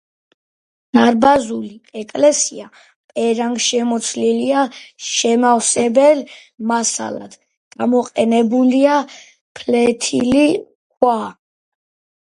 დარბაზული ეკლესია პერანგშემოცლილია, შემავსებელ მასალად გამოყენებულია ფლეთილი ქვა.